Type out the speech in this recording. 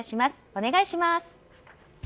お願いします。